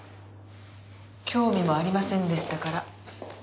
興味もありませんでしたから。